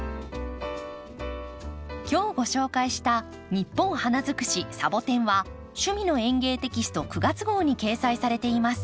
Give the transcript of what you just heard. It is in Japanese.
今日ご紹介した「ニッポン花づくしサボテン」は「趣味の園芸」テキスト９月号に掲載されています。